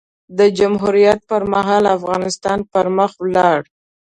د جمهوریت پر مهال؛ افغانستان پر مخ ولاړ.